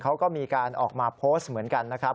เขาก็มีการออกมาโพสต์เหมือนกันนะครับ